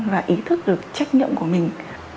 và ý thức được trách nhiệm của mình